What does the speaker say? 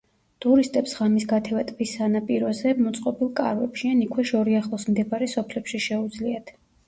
ტურისტებს ღამის გათევა ტბის სანაპიროზე მოწყობილ კარვებში ან იქვე შორიახლოს მდებარე სოფლებში შეუძლიათ.